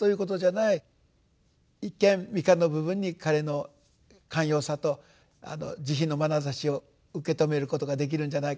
一見未完の部分に彼の寛容さと慈悲のまなざしを受け止めることができるんじゃないか。